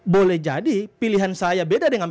boleh jadi pilihan saya beda dengan